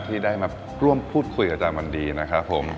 ที่ได้มาร่วมพูดคุยกับอาจารย์วันดีนะครับผม